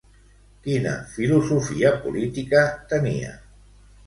Quina filosofia política tenia?